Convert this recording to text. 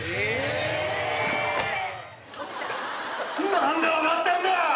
なんで分かったんだ！？